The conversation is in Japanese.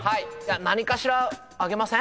何かしらあげません？